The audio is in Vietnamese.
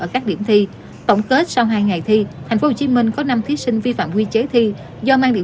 cảm ơn các bạn